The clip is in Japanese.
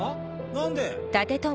何で？